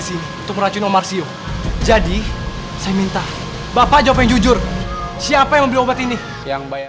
sampai jumpa di video selanjutnya